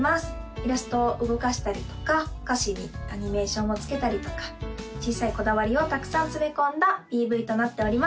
イラストを動かしたりとか歌詞にアニメーションをつけたりとか小さいこだわりをたくさん詰め込んだＰＶとなっております